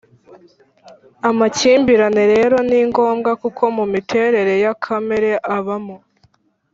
Amakimbirane rero ni ngombwa kuko mu miterere ya kamere abamo